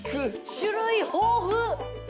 種類豊富！